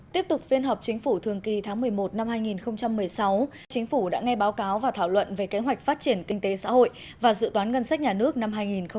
tiếp tục phiên họp chính phủ thường kỳ tháng một mươi một năm hai nghìn một mươi sáu chính phủ đã nghe báo cáo và thảo luận về kế hoạch phát triển kinh tế xã hội và dự toán ngân sách nhà nước năm hai nghìn một mươi chín